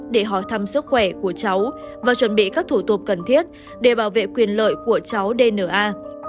để hỏi thăm sức khỏe của cháu và chuẩn bị các thủ tục cần thiết để bảo vệ quyền lợi của cháu dna